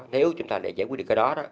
nếu chúng ta giải quyết được cái đó